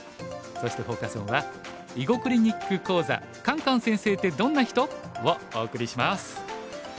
そしてフォーカス・オンは「囲碁クリニック講座カンカン先生ってどんな人？」をお送りします。